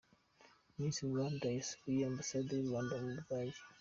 Miss Rwanda yasuye Ambasade y'u Rwanda mu Budage.